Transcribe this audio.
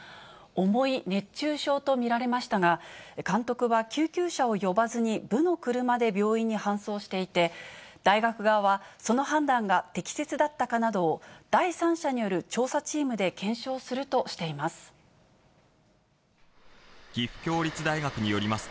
重い熱中症と見られましたが、監督は救急車を呼ばずに、部の車で病院に搬送していて、大学側は、その判断が適切だったかなどを、第三者による調査チームで検証するとしています。